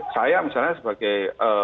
saya misalnya sebagai